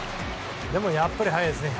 でも、やっぱり速いですね。